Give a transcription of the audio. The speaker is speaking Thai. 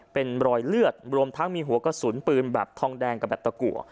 เป็นรอยเลือดรวมทั้งมีหัวกระสุนปืนแบบทองแดงกับแบบตะกัว